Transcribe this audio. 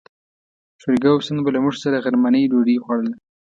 فرګوسن به له موږ سره غرمنۍ ډوډۍ خوړله.